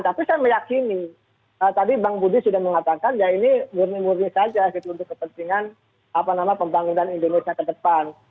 tapi saya meyakini tadi bang budi sudah mengatakan ya ini murni murni saja gitu untuk kepentingan pembangunan indonesia ke depan